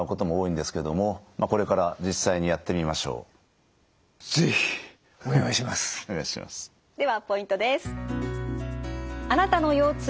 ではポイントです。